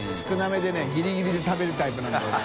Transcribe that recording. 覆瓩任ギリギリで食べるタイプなんだよね。